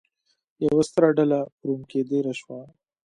یوه ستره ډله په روم کې دېره شوه.